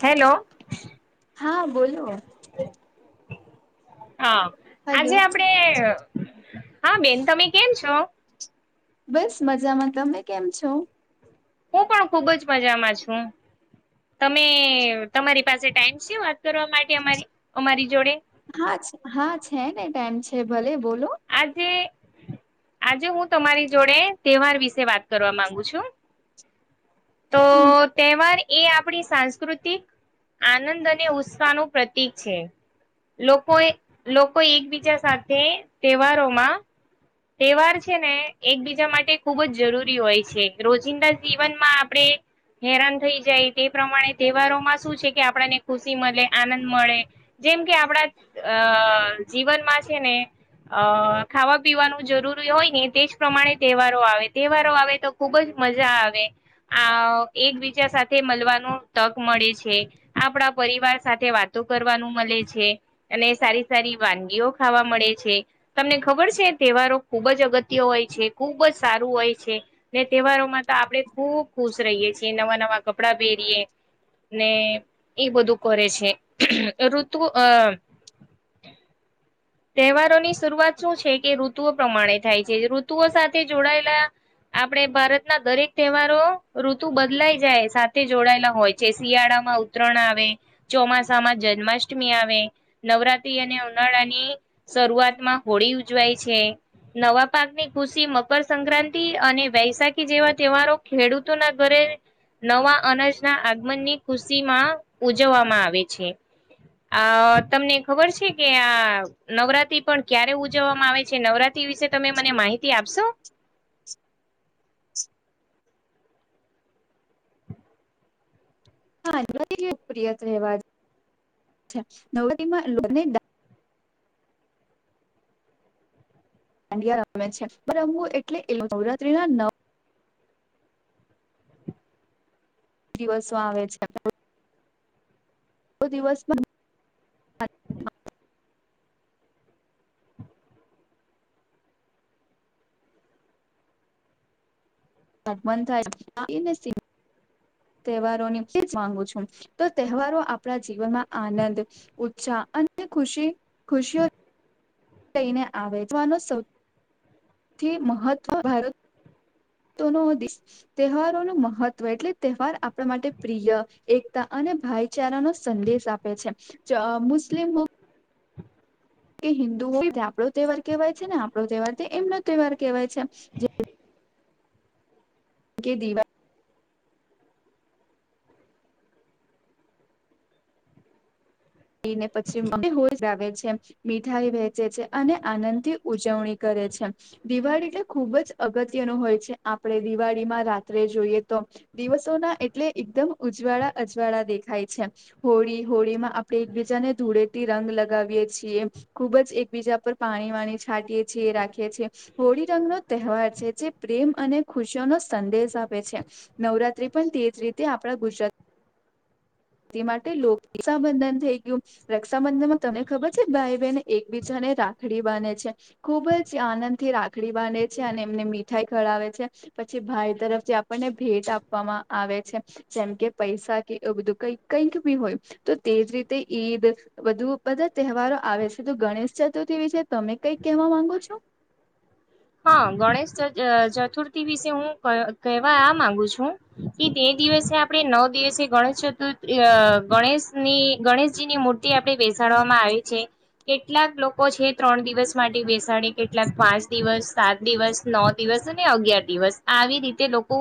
Hello હા, બોલો. હા, આજે હલો આપડે અ હા, બેન તમે કેમ છો? બસ મજામાં. તમે કેમ છો? હું પણ ખુબ જ મજામાં છું. તમે તમારી પાસે ટાઈમ છે વાત કરવા માટે અમારી અમારી જોડે? હા છ હા છે ને ટાઈમ છે ભલે. બોલો આજે આજે હું તમારી જોડે તહેવાર વિશે વાત કરવા માંગુ છું. તો હમ તેવારી એ આપણી સાંસ્કૃતિક આનંદ અને ઉત્સાહ નો પ્રતીક છે. લોકોએ લોકો એકબીજા સાથે તહેવારોમાં તહેવાર છે ને એકબીજા માટે ખૂબ જ જરૂરી હોય છે રોજિંદા જીવનમાં આપડે હેરાન થઈ જાય તે પ્રમાણે તહેવારોમાં શું છે કે આપણને ખુશી મલે, આનંદ મળે. જેમ કે આપડા અ જીવનમાં છે ને અ ખાવા પીવાનું જરૂરી હોય ને તે જ પ્રમાણે તહેવારો આવે. તહેવારો આવે તો ખુબ જ મજા આવે. આ અહ એકબીજા સાથે મલવાનું તક મળે છે. આપણા પરિવાર સાથે વાતો કરવાનું મલે છે. અને સારી-સારી વાનગીઓ ખાવા મળે છે. તમને ખબર છે તહેવારો ખુબ જ અગત્ય હોય છે. ખૂબ જ સારું હોય છે. ને તહેવારોમાં તો આપડે ખુબ ખુશ રહીએ છીએ, નવા-નવા કપડાં પહેરીએ ને એ બધું કરે છે. ઋતુ અહ [inaudible] તહેવારોની શરૂઆત શું છે કે ઋતુઓ પ્રમાણે થાય છે. ઋતુઓ સાથે જોડાયેલા આપડે ભારતના દરેક તહેવારો ઋતુ બદલાઈ જાય, સાથે જોડાયેલા હોય છે. શિયાળા માં ઉતરણ આવે, ચોમાસા માં જન્માષ્ટમી આવે, નવરાત્રી અને ઉનાળા ની શરૂઆતમાં હોળી ઉજવાય છે. નવા પાકની ખુશી મકરસક્રાંતિ અને વૈશાખી જેવા તહેવારો ખેડૂતોના ઘરે નવા અનાજના આગમનની ખુશી માં ઉજવવામાં આવે છે. અહ તમને ખબર છે કે આ નવરાત્રી પણ ક્યારે ઉજવવામાં આવે છે? નવરાત્રી વિશે તમે મને માહિતી આપશો? હા [inaudible] પ્રિય તહેવાર છ છે. નવરાત્રિ માં લોકોને [unintelligible] દાંડિયા રમે છે. [inaudible] એટલે નવરાત્રી ના નવ દિવસો આવે છે. [inaudible] તો દિવસ માં [inaudible] [inaudible] તહેવારોની જ [inaudible] માંગુ છું. તો તહેવારો આપણા જીવનમાં આનંદ, ઉત્સાહ [inaudible] કે ખુશી ખુશીઓ લઈને આવે છે. [inaudible] સૌથી મહત્વ ભારત તો ના દિસ તહેવારો નો મહત્વ એટલે તહેવાર આપણા માટે પ્રિય એકતા અને ભાઈચારા નો સંદેશ આપે છે. જ મુસ્લિમો કે હિન્દુ હોય આપણો તહેવાર કેહેવાય છે ને આપણો તહેવાર એમનો તહેવાર કહેવાય છે. જે [inaudible] કે દીવા ળી ને પછી માં ભી હો આવે છે. મીઠાઈ વેચે છે અને આનંદથી ઉજવણી કર રે છે. દિવાળી એટલે ખુબ જ અગત્યનું હોય છે. આપણે દિવાળીમાં રાત્રે જોઈએ તો દિવસોના એટલે એકદમ ઉજવાળા અજવાળા દેખાય છે હોળી હોળીમાં આપ ડે એકબીજાને ધૂળેટી રંગ લગાવીએ છીએ ખુબ જ એકબીજા પર પાણી વાણી છાંટીયે છીએ એ રાખે છે. હોળી રંગ નો તહેવાર છે જે પ્રેમ અને ખુશીઓનોો સંદેશ આપે છે. નવરાત્ર્રી પણ તે જ રીતે આપણા ગુજરાત તે માટે લોક રક્ષાબંધન થઈ ગયું. રક્ષાબંધનમાં તમને ખબર છે ભાઈ બહેન એકબીજા ને રાખડી બાને છે. ખુબ જ આનંદ થી રાખડી બાંધ છે અને એમને મીઠાઈ ખળાવે છે. પછી ભાઈ તરફથી આપણને ભેટ આપવામાં આવે છે. જેમ કે પૈસા કે એવું બધું કઈ કંઈક બી હોય તો તેજ રીતે ઈદ બધુ બધા તહેવારો આવે છે તો ગણેશ ચતુર્ તી વિશય તમે કઈક કહેવા માંગો છો? હા ગણેશ ચ અહ ચતુર્થી વિશ તે હું કહ્ કહેવા આ માંગુ છું કે તે દિવસે આપણે નવ દિવસે ગણેશ ચતુર્ અહ ગણેશની ગણેશજીની મૂર્તિ આપણે બેસાડવામાં આવે છે કેટલાક લોકો છે ત્રણ દિવસ માટે બેસાડે કેટલાક પાંચ દિવસ સાત દિવસ નો દિવસ અને અગિયાર દિવસ આવી રીતે લોકો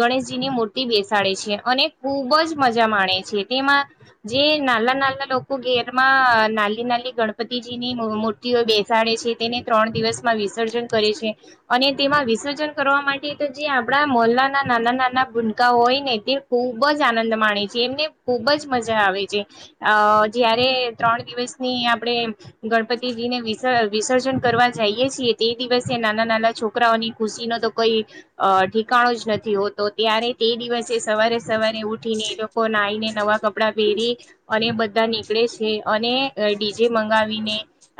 ગણેશજી ની મૂ બી બેસાડે છે અને ખૂબ જ મજા માણે છે. તેમાં જે નાલા નાલા લોકો ગે રમાં નાલી નાલી ગણપતિજી ની મૂ-મૂર્તિઓ બેસાડે છે તેને ત્રણ દિવસમાં વીસ ર્જન કરે છે અને તેમાં વિસર્જન કરવા માટે તો જે આપણા મોલ્લાના નાના નાના બુન કા હોય ને તે ખૂબ જ આનંદ માણે છે એમને ખૂબ જ મજા આવે છે અહ જે એ ત્રણ દિવસની આપડણે ગણપતિજી ને વિ-વિસર્જન કરવા જઈએ છીએ તે દિવસે નાના નાના છોકરાઓની ખુશી ન તો કોઈ અહ ઠકાાણો જ નથી હોતો ત્યારે તે દિવસે સવારે સવારે ઉઠીને એ લોકો ના નાઈને નવા કપડા પહેરી અને બધા નીકળે છે અને અહ ડીજે મંગાવીને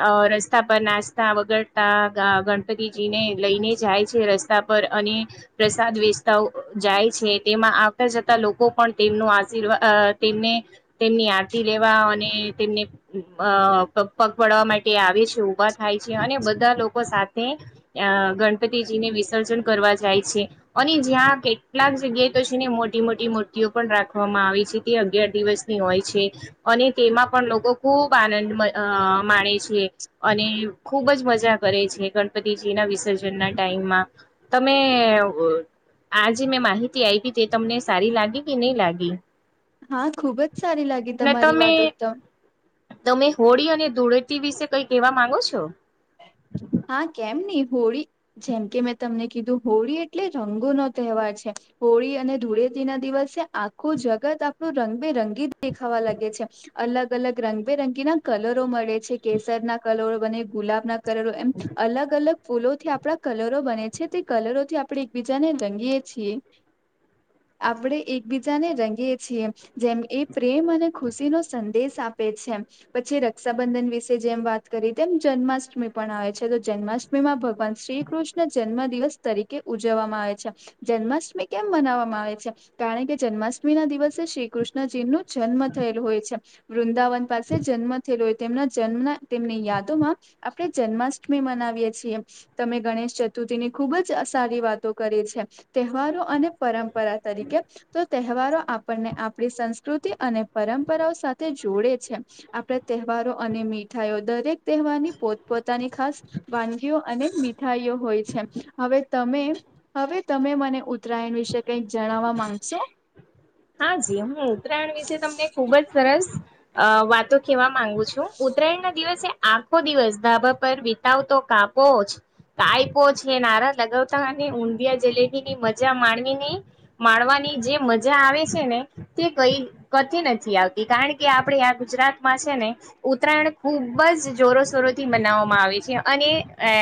અહ રસ્તા પર નાસ્તા વગરતા આ ગણપતિજી ને લઈને જાય છે રસ્તા પર અને પ્રસાદ વેચતા ઓ જાય છે. તેમાં આવતા જતા લોકો પણ તેમનો આશીવાદ અહ તેમને તેમની આયાતી લેવા ને તેમને અહ પગ-પગડવા માટે આવે છે ઉભા થાય છે અને બધા લોક વ સાથે અહ ગણપતિજીને વિસર્જન કરવા જાય છે. અને જ્યાં કેટલાક જગ્યાએ તો છે ને મોટી મોટી મૂર્તિઓ પણ રાખવામાં આવી છે તે અગિયાર દિવસની હોય છે અને તે એમાં પણ લોકો ખૂબ આનંદ મ અહ માણે છે અને ખુબ જ મજા કરે છે ગણપતિજી ના વિસર્જન ના ટાઈમમાં તમે અહ આજ મેં માહિતી આપી તે તમને સારી લાગી કે નહી લાગી? હા, ખુબ જ સારી લાગી ને તમારી તમે વાતો તો. તમે હોળી અને ધૂળેટી વિશે કઈ કહેવા માંગો છો? હા, કેમ નહી હોળી જેમ કે મેં તમને કીધું હોળી એટલે રંગો નો તહેવાર છે. હોળી અને ધૂળેથી ના દિવસે આખું જગત આપણું રંગબેરંગી જ દેખાવા લાગે છે. અલગ અલગ રંગબેરંગીના કલરો મળે છે કેસરના કલરો બને ગુલાબના કલરો એમ અલગ અલગ ફૂલોથી આપણા કલરો બને છે તે કલરોથી આપણે એકબીજાને રંગીએ છીએ. હ આપણે એકબીજાને રંગીએ છીએ. જેમ એ પ્રેમ અને ખુશી નો સંદેશ આપ આપે છે એમ. પછી રક્ષાબંધન વિશે જેમ વાત કરી તેમ જન્માષ્ટમી પણ આવે છે. તો તો જન્માષ્ટમીમાં ભગવાન શ્રીકૃષ્ણ જન્મ દિવસ તરીકે ઉજવવામાં આવે છે. જન્માષ્ટમી કેમ મનાવવામાં આવે છે? કાળકે જન્માષ્ટમી ના દિવસે શ્રી કૃષ્ણજી નું જન્મ થયેલું હોય છે. વૃંદાવન પાસે જન્મ થયેલો હોય, તેમના જન્મ તેમની યાદોમાં આપણે જન્મા ષ્ટમી મનાવીએ છીએ. તમે ગણેશ ચતુર્થી ની ખુબ જ સારી વાતો કરી છે. તેહવારો અને પરંપરા તરીકે તો તેહવારો આપણને આપણી સંસ્કૃતિ અને પરંપરાઓ સાથે જોડે છે. આપણે તેહ વારો અને મીઠાઈઓ દરેક તેહવાર ની પોત પોતાની ખાસ વાનગીઓ અને મીઠાઈઓ હોય છે. હવે તમે હવે તમે મને ઉત્તરાયણ વિશે કઈક જણાવવા માંગશે? હ હા જી હું ઉત્તરાયણ વિશે તમને ખુબ જ સરસ વાતો કેવા માંગુ છું. ઉ ત્તરાયણ ના દિવસે આખો દિવસ ધાબા પર વિતાવતો કાપો જ કાઈપો છે નારા લગાવતા અને ઊંધિયા જલેબી ની મજા માણવી નહી માણવા ની જે મજા આવે છે ને તે કઈ કતી નથી આવતી કારણ કે આપણે આ ગુજરાતમાં છે ને, ઉત્તરાયણ ખૂબ જ જોરો શોરોથી મનાવવામાં આવે છે અને એ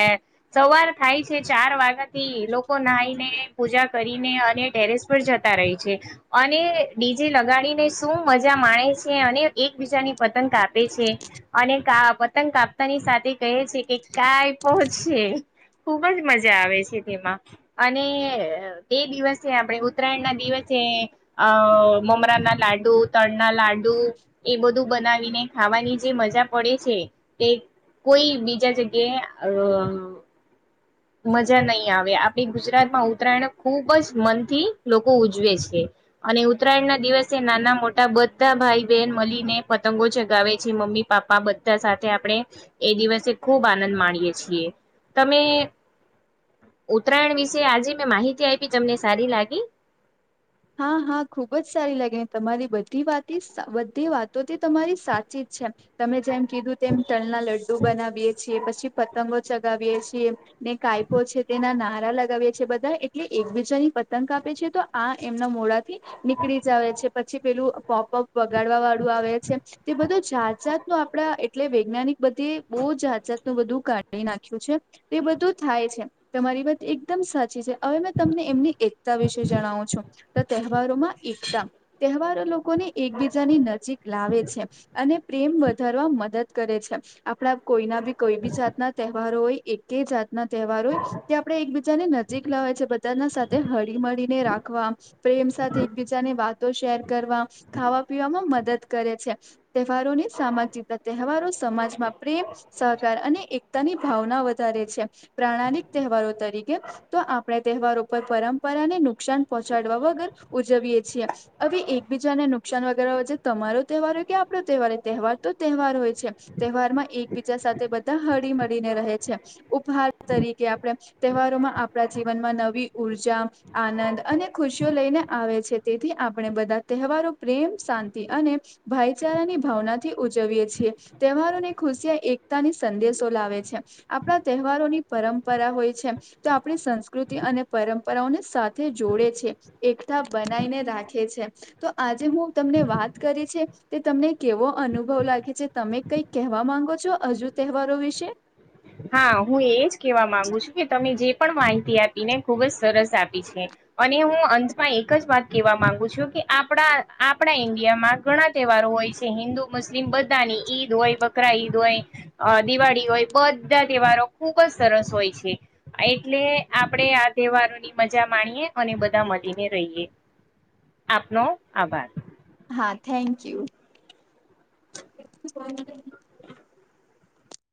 સવાર થાય છે ચાર ચાર વાગા થી લોકો નાહાઈને, પૂજા કરીને અને ટેરેસ પર જતા રે છે. અને ડીજે લગાડીને શું મજા માણે છે અને એકબીજાની પતંગ કાપે છે. અને ક પતંગ કાપતાની સાથે કહે છે કે કાઈ પો છે. ખુબજ મજા આવે છે તેમાં અને તે દિવસે આપણે ઉત્તરાયણ ના દિવસ તે અ મમરા ના લાડુ, તડ ના લાડુ એ બધું બનાવીને ખાવાની જે મ જા પડે છે, તે કોઈ બીજા જગ્યાએ અ મજા નહી આવે, આપડી ગુજરાતમાં ઉતરાયણ ખુબ જ મનથી લોકો ઉજવે છે. અને ઉત્તરાયણ ના દિવસે નાના મોટા બધા ભાઈ બહેન મલીને પતંગો ચગાવે છે મમ્મી મમ્મી પાપ્પા બધા સાથે આપણે, એ દિવસે ખુબ આનંદ માણીયએ છીએ. તમે ઉત્તરાયળ વિશે આજે મેં માહિતી આઇપી, તમને સારી લાગી? હા હા ખુબ જ સારી લાગી, ને તમારી બધી વાતીસ બધી વાતોથી તમારી સાચી જ છે, તમે જેમ કીધું તેમ તલના લડ્ડુ બનાવીએ છીએ પછી પતંગો ચગાવીએ છીએ ને કાઇ પો છે તેના ના રા લગાવીએ છે બધા, એટલે એકબીજાની પતંગ કાપે છે તો આ એમના મોડાથી નીકળી જ આવે છે પછી પેલું પોપ પોપ વગાડવા વાળું આવે છે, તે બધું જા જાત નું આપડા એટલે વૈજ્ઞાનિક બધે બો જાત જાત નું બધું કાઢી નાખ્યું છે. તે બધું થાય છે, તમારી વાત એકદમ સાચી છે. અવે મેં તમને એમની એકતા વિશે જણાવું છું. તો તેહવારોમાં એકશા. તેહવાર લોકોને એકબીજાની નજીક લાવે છે અને પ્રેમ વધારવા મદદ કરે છે. આ પણા કોઈના બી કોઈ બી જાતના તેહવારો હોય, એકે જાત ના તેહવાર હોય તે આપડે એકબીજાને નજીક લાવે છે બધા ના સાથે હળી મળીને રાખવા પ્રેમ સાથે એકબીજાની વાતો શેર કરવા, ખાવા પીવામાં મદદ કરે છે. તેહવારોને સામાજિકતા તહેવારો સમાજમાં પ્રેમ, સહકાર અને એક તા ની ભાવના વધારે છે. પ્રાણાલીક તેહવારો તરીકે તો આપણે તેહવાર ઉપર પરં પરાને નુકસાન પોહ ચાડવા વગર ઉજવીય છીએ. અવે એકબીજાને નુકસાન [unintelligible] વગેર તમારો તેહવાર હોય કે આપડે તેહવા હો, તેહવાર તો તેહવાર હોય છે. તેહવાર માં એકબીજા સાથે બધા હળી મળીને રહે છે. ઉપહાર તરીકે આપણે તહેવારોમાં આપણા જીવનમાં નવી ઉર્જા, આનંદ અને ખુશીઓ લઈને આવે છે, તેથી આપણે બધા તેહવારો પ્રેમ, શાંતિ અને ભાઈચારાની ભાવના થી ઉજવીએ છીએ. તેહવારોને ખુશી, એકતાની સંદેશો લાવે છે. આપણા તે હવારોની પરંપરા હોય છે, તો આપણી સંસ્કૃતિ અને પરંપરાઓને સાથે જોડે છે. એકતા બનાઇને રાખે છે, તો આજે હું તમને વાત કરી છે તે તમને કેવો અનુભવ લાગે છે, તમે કઈ કેહવા માંગો છો હજુ તેહવારો વિશે? હા હું એજ કેવા માંગુ છું કે તમે જે પણ માહિતી આપી ને ખુબ જ સરસ આપી છે અને હું અંતમાં એક જ વાત કહેવા માંગુ છું કે આપણા આપણા ઇન્ડિયામાં ઘણા તહેવારો હોય છે હિન્દુ મુસ્લિમ બધાની ઈદ હોય બકરા ઈદ હોય દિવાળી હોય બ ધા તહેવારો ખુબ જ સરસ હોય છે એટલે આપણેે આ તહેવારોની મજા માણીએ અને બધા મળીને રહીએ આપનો આભાર હા થેન્ક યુ [inaudible]